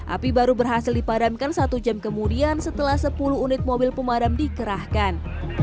api baru berhasil dipadamkan satu jam kemudian setelah sepuluh unit mobil pemadam dikerahkan